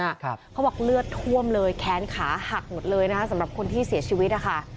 เขาบอกเลือดท่วมเลยแค้นขาหักหมดเลยนะคะสำหรับคนที่เสียชีวิตนะคะ